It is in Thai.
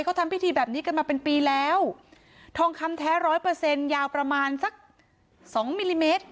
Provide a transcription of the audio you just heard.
เขาทำพิธีแบบนี้กันมาเป็นปีแล้วทองคำแท้ร้อยเปอร์เซ็นต์ยาวประมาณสักสองมิลลิเมตร